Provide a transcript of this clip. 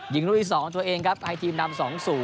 รุ่นที่๒ตัวเองครับให้ทีมนำ๒๐